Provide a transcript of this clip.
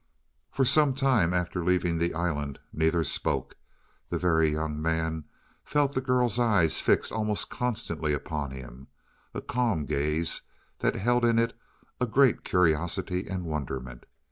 For some time after leaving the island neither spoke. The Very Young Man felt the girl's eyes fixed almost constantly upon him a calm gaze that held in it a great curiosity and wonderment.